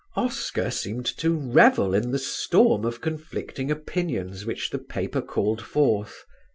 Oscar seemed to revel in the storm of conflicting opinions which the paper called forth.